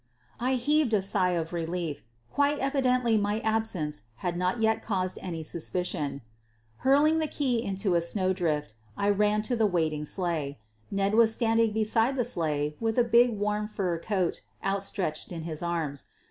I heaved a sigh of relief — quite evidently my ab sence had not yet caused any suspicion. Hurling the key into a snowdrift, I ran to the waiting sleigh. Ned was standing beside the sleigh with a big warm fur coat outstretched in his arms.